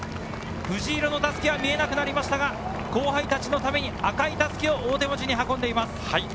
藤色の襷は見えなくなりましたが、後輩たちのために赤い襷を大手町に運んでいます。